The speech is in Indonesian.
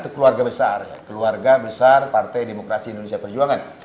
keluarga besar keluarga besar partai demokrasi indonesia perjuangan